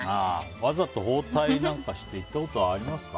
わざと包帯なんかして行ったことありますか？